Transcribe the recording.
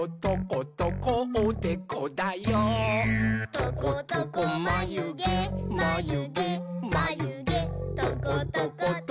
「トコトコまゆげまゆげまゆげトコトコトコトコおめめだよ！」